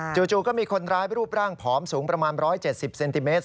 จู่ก็มีคนร้ายรูปร่างผอมสูงประมาณ๑๗๐เซนติเมตร